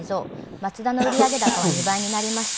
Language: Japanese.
マツダの売上高は２倍になりました。